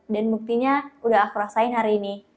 dan buktinya udah aku rasain hari ini